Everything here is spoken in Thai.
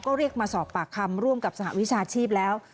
ก็เรียกมาสอบปากคำร่วมกับสหวิชาชีพแล้ว